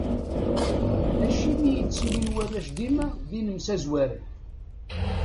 Acimi i ttilin warrac dima d inemsazwaren?